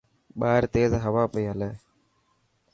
ٻاهر تيز هوا پئي هلي.